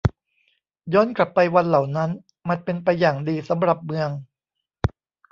ย้อนกลับไปวันเหล่านั้น มันเป็นไปอย่างดีสำหรับเมือง